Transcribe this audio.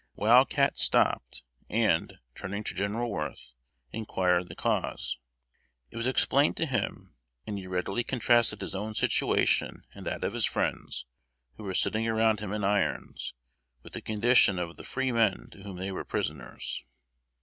Wild Cat stopped, and, turning to General Worth, inquired the cause. It was explained to him, and he readily contrasted his own situation and that of his friends, who were sitting around him in irons, with the condition of the freemen to whom they were prisoners.